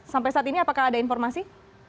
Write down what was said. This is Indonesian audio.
sampai saat ini apakah ada informasi